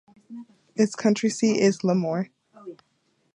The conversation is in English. Its county seat is LaMoure.